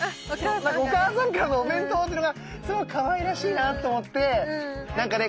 お母さんからのお弁当っていうのがすごいかわいらしいなと思ってなんかね